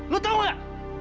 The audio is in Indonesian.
lo tau gak